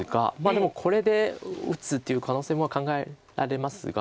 でもこれで打つっていう可能性も考えられますが。